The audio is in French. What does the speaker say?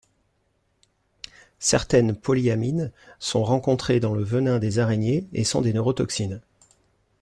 Certaines polyamines sont rencontrées dans le venin des araignées et sont des neurotoxines.